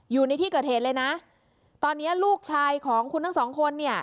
อยู่ในที่เกิดเหตุเลยนะตอนนี้ลูกชายของคุณทั้งสองคนเนี่ย